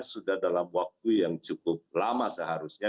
sudah dalam waktu yang cukup lama seharusnya